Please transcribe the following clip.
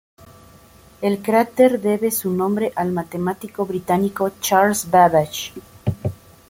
El cráter debe su nombre al matemático británico Charles Babbage.